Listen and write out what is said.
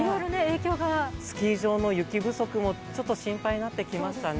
スキー場の雪不足もちょっと心配になってきましたね。